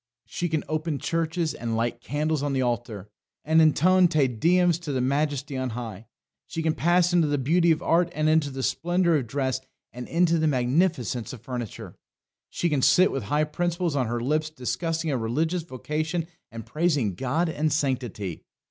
"She can open churches, and light candles on the altar, and intone Te Deums to the Majesty on high. She can pass into the beauty of art, into the splendour of dress, and into the magnificence of furniture. She can sit with high principles on her lips discussing a religious vocation and praising God and sanctity.